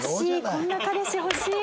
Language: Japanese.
こんな彼氏欲しい。